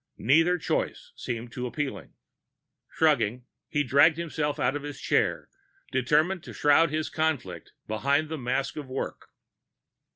Neither choice seemed too appealing. Shrugging, he dragged himself out of his chair, determined to shroud his conflict behind the mask of work.